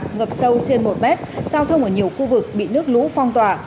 ngập sâu trên một mét giao thông ở nhiều khu vực bị nước lũ phong tỏa